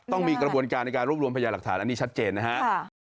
ต้องมีกระบวนการในการรวบรวมพยาหลักฐานอันนี้ชัดเจนนะฮะ